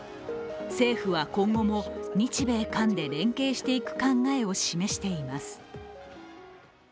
政府は今後も日米韓で連携していく考えを示しています。